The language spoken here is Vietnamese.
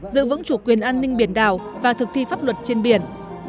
giữ vững chủ quyền an ninh biển đảo và thực thi pháp luật trên biển